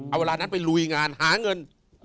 เอาเวลานั้นไปลุยงานหาเงิน